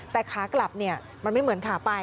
แต่ขากลับมันไม่เหมือนขาไป